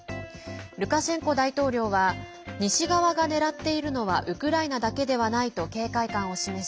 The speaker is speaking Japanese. ルカシェンコ大統領は西側が狙っているのはウクライナだけではないと警戒感を示し